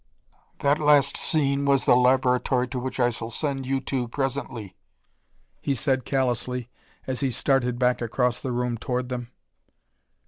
"That last scene was the laboratory to which I shall send you two presently," he said callously as he started back across the room toward them.